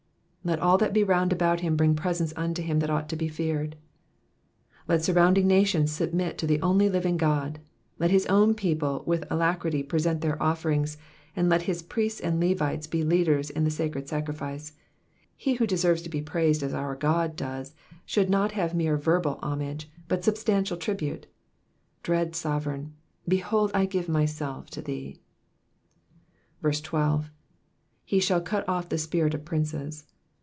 ^^Let aU that he round about him bring preaents unto him that ought to be feared,'*^ Let siuToundiDg nations submit to the only living God, let his own people with alacrity present their offerings, and let his priests and Levites bo leaders in the sacred sucrifice. He who deserves to be praised as our God does, should not have mere verbal homage, but substantial tribute. Dread Sovereign, behold I give myself to thee. 12. J35f $hall cut off the tpirit of princes.'